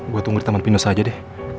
gue tunggu di taman pinus aja deh